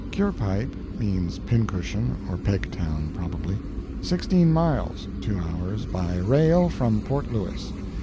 Curepipe (means Pincushion or Pegtown, probably). Sixteen miles (two hours) by rail from Port Louis.